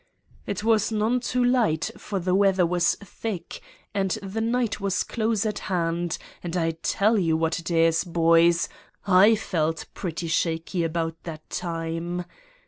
"It was none too light, for the weather was thick and the night was close at hand, and I tell you what it is, boys, I felt pretty shaky about that time.